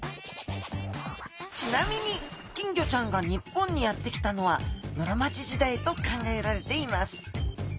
ちなみに金魚ちゃんが日本にやって来たのは室町時代と考えられています。